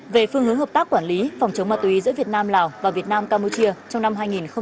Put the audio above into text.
về phương hướng hợp tác quản lý phòng chống ma túy giữa việt nam lào và việt nam campuchia trong năm hai nghìn hai mươi